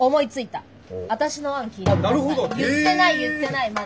言ってない言ってないまだ。